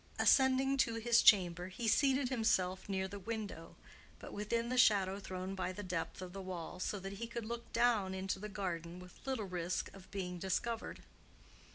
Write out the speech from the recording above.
Ascending to his chamber, he seated himself near the window, but within the shadow thrown by the depth of the wall, so that he could look down into the garden with little risk of being discovered.